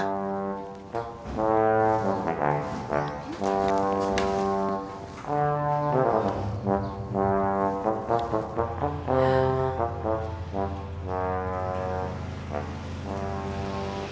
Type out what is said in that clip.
jangan lama lama mak